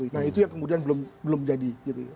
nah itu yang kemudian belum jadi